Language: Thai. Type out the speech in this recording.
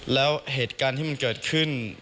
แล้วเหตุการณ์ที่มันเกิดขึ้น